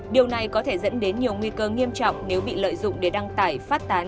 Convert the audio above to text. điều này có thể dẫn đến nhiều nguy cơ nghiêm trọng nếu bị lợi dụng để đăng tải phát tán